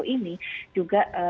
terima kasih pak menteri